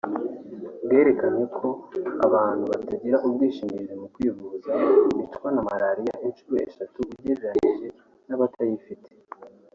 bwerekanye ko abantu batagira ubwisungane mu kwivuza bicwa na malaria inshuro eshatu ugereranyije n’abatayifite